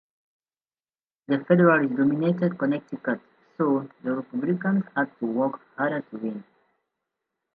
The Federalists dominated Connecticut, so the Republicans had to work harder to win.